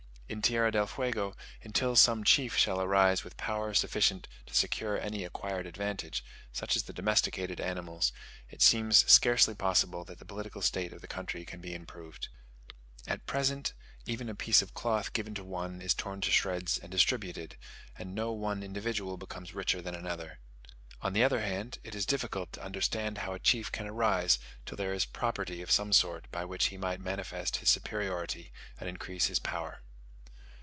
In Tierra del Fuego, until some chief shall arise with power sufficient to secure any acquired advantage, such as the domesticated animals, it seems scarcely possible that the political state of the country can be improved. At present, even a piece of cloth given to one is torn into shreds and distributed; and no one individual becomes richer than another. On the other hand, it is difficult to understand how a chief can arise till there is property of some sort by which he might manifest his superiority and increase his power.